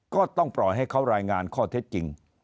ก็ต้องปล่อยให้เขารายงานข้อเท็จจริง